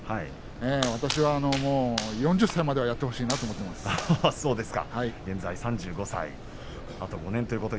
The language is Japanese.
私は４０歳までやってほしいなと思っていますよ。